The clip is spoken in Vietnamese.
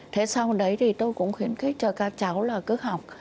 thế xong đấy thì tôi cũng khuyến khích cho các cháu là cứ học